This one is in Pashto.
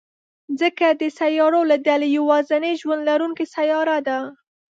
مځکه د سیارو له ډلې یوازینۍ ژوند لرونکې سیاره ده.